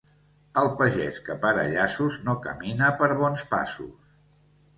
El pagès que para llaços no camina per bons passos.